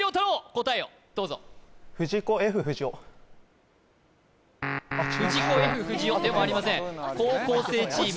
答えをどうぞ藤子・Ｆ・不二雄藤子・Ｆ・不二雄でもありません高校生チーム